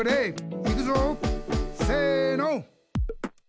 いくぞせの！